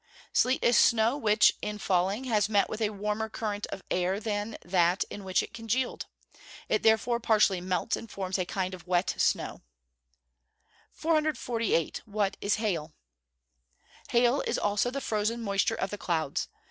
_ Sleet is snow which, in falling, has met with a warmer current of air than that in which it congealed. It therefore partially melts and forms a kind of wet snow. 448. What is hail? Hail is also the frozen moisture of the clouds.